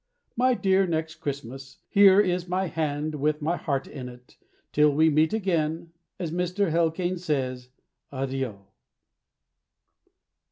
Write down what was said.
My dear Next Christmas, Here is my hand, With my heart in it. Till we meet again As Mr. Hall Caine says Addio.